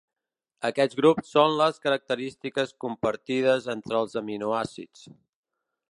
Aquests grups són les característiques compartides entre els aminoàcids.